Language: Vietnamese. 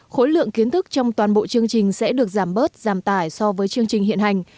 khối lượng kiến thức trong toàn bộ chương trình sẽ được giảm bớt giảm tải so với chương trình hiện hành